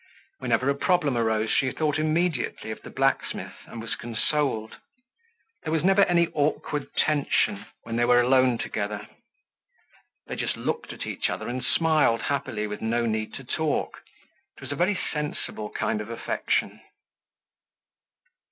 Whenever a problem arose she thought immediately of the blacksmith and was consoled. There was never any awkward tension when they were alone together. They just looked at each other and smiled happily with no need to talk. It was a very sensible kind of affection.